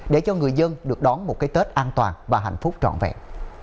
để cho người dân được đón một cái tết an toàn và hạnh phúc trọn vẹn